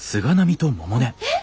えっ！